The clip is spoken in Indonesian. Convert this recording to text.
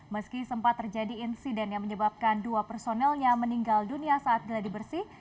meski sempat terjadi insiden yang menyebabkan dua personelnya meninggal dunia saat geladi bersih